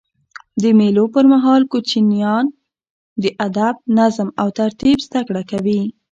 د مېلو پر مهال کوچنيان د ادب، نظم او ترتیب زدهکړه کوي.